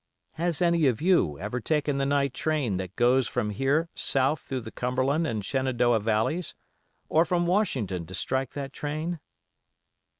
"Has any of you ever taken the night train that goes from here South through the Cumberland and Shenandoah Valleys, or from Washington to strike that train?"